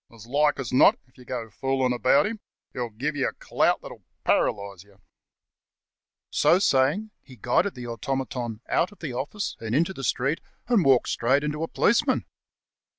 As like as not, if you get fooling about him, he'll give you a clout that'll paralyse you." So saying, iie guided the automaton out of the office and into the street, and walked straight into a policeman.